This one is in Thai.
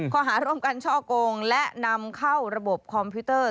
ข้อหาร่วมกันช่อกงและนำเข้าระบบคอมพิวเตอร์